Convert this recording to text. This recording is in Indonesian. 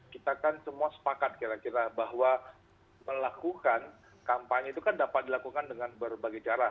kita kan semua sepakat kira kira bahwa melakukan kampanye itu kan dapat dilakukan dengan berbagai cara